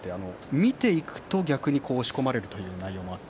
見ていくと逆に押し込まれるという内容です。